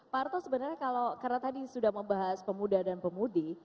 pak arto sebenarnya kalau karena tadi sudah membahas pemuda dan pemudi